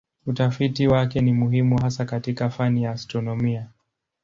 Utafiti wake ni muhimu hasa katika fani ya astronomia.